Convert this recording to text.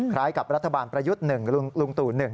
คล้ายกับรัฐบาลประยุทธ์๑ลุงตู่๑